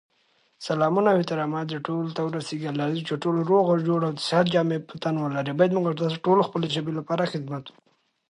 ازادي راډیو د سوله په اړه د پوهانو څېړنې تشریح کړې.